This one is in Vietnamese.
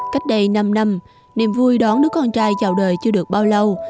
cách đây năm năm niềm vui đón đứa con trai vào đời chưa được bao lâu